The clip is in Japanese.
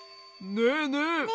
ねえねえ。